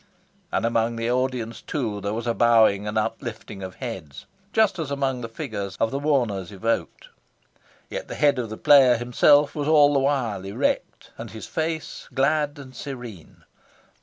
And among the audience, too, there was a bowing and uplifting of heads, just as among the figures of the mourners evoked. Yet the head of the player himself was all the while erect, and his face glad and serene.